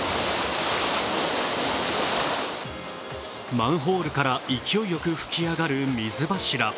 マンホールから勢いよく噴き上がる水柱。